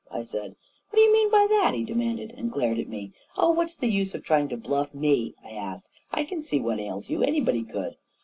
I said. "What do you mean by that?" he demanded, and glared at me. 11 Oh, what's the use of trying to bluff me ?" I asked. " I can see what ails you — anybody could!"